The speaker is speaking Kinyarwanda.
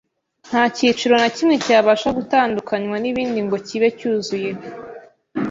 Nta cyiciro na kimwe cyabasha gutandukanywa n’ibindi ngo kibe cyuzuye.